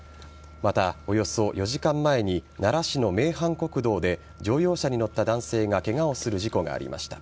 また、およそ４時間前に奈良市の名阪国道で乗用車に乗った男性がケガをする事故がありました。